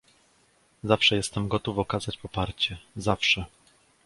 "Zawsze jestem gotów okazać poparcie, zawsze."